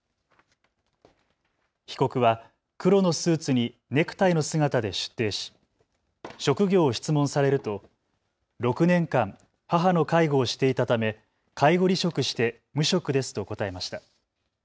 被告は黒のスーツにネクタイの姿で出廷し職業を質問されると６年間、母の介護をしていたため介護離職して無職ですと答えました。